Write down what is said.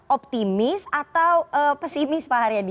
optimis atau pesimis pak haryadi